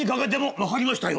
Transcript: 「分かりましたよ。